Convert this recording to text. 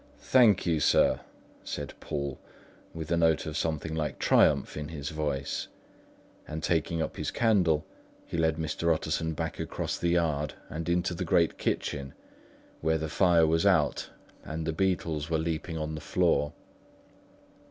"Thank you, sir," said Poole, with a note of something like triumph in his voice; and taking up his candle, he led Mr. Utterson back across the yard and into the great kitchen, where the fire was out and the beetles were leaping on the floor.